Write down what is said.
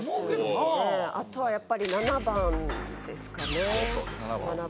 あとはやっぱり７番ですかね。